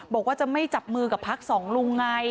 บอกว่าจะไม่จับมือกับพักสองลุงไง